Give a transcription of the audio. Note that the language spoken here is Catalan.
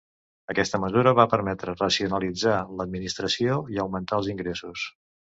Aquesta mesura va permetre racionalitzar l'administració i augmentar els ingressos.